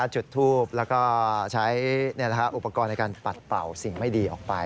จุดทูปแล้วก็ใช้อุปกรณ์ในการปัดเป่าสิ่งไม่ดีออกไป